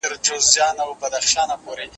د ماشوم لاس اوس د ونې ټیټې څانګې ته رسېدلی دی.